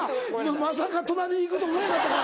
まさか隣に行くと思えへんかったから。